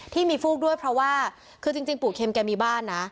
ที่มีฟูกด้วยเพราะว่าคือจริงปู่เข็มแกมีบ้านนะ